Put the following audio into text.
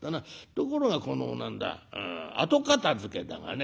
ところがこの何だ後片づけだがね